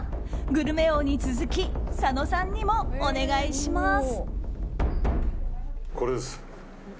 グルメ王に続き佐野さんにもお願いします。